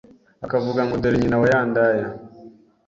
bakavuga ngo dore nyina wa ya ndaya,